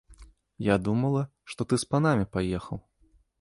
Я думала, што ты з панамі паехаў.